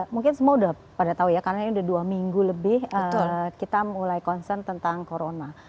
mungkin semua sudah pada tahu ya karena ini udah dua minggu lebih kita mulai concern tentang corona